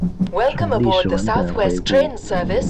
从历史文本回顾